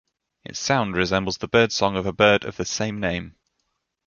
Its sound resembles the birdsong of a bird of the same name.